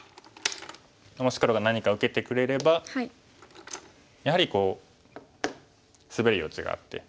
もし黒が何か受けてくれればやはりこうスベる余地があって。